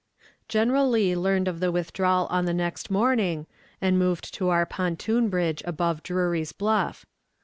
General Lee learned of the withdrawal on the next morning, and moved to our pontoon bridge above Drury's Bluff.